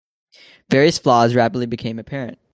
Various flaws rapidly became apparent.